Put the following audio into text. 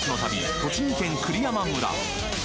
栃木県栗山村。